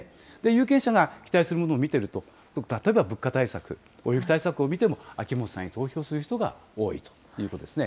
有権者が期待するものを見ていると、例えば物価対策、大雪対策を見ても、秋元さんに投票する人が多いということですね。